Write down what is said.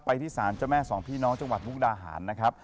ที่สารเจ้าแม่สองพี่น้องจังหวัดมุกดาหารนะครับ